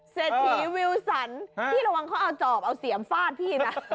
เศรษฐีวิวสันพี่ระวังเขาเอาจอบเอาเสียมฟาดพี่นะ